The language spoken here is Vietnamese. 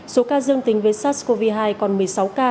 số ca dương tính với sars cov hai còn một mươi sáu ca